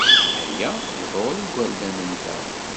Aya iḍurr igerdan-nteɣ.